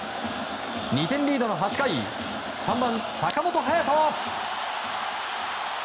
２点リードの８回３番、坂本勇人。